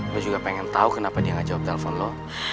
lu juga pengen tau kenapa dia gak jawab telepon lu